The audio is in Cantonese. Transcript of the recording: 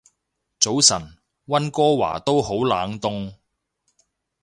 早晨，溫哥華都好冷凍